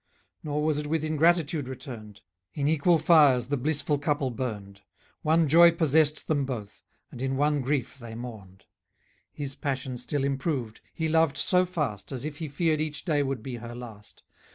Nor was it with ingratitude returned; } In equal fires the blissful couple burned; } One joy possessed them both, and in one grief they mourned. } His passion still improved; he loved so fast, As if he feared each day would be her last.